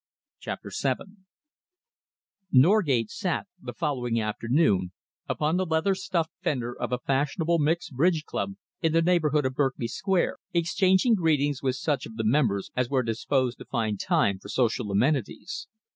CHAPTER VII Norgate sat, the following afternoon, upon the leather stuffed fender of a fashionable mixed bridge club in the neighbourhood of Berkeley Square, exchanging greetings with such of the members as were disposed to find time for social amenities.